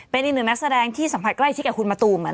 เป็นอีกหนึ่งนักแสดงที่สัมผัสใกล้ชิดกับคุณมะตูม